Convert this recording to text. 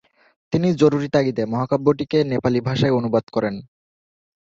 তিনি জরুরি তাগিদে মহাকাব্যটিকে নেপালি ভাষায় অনুবাদ করেন।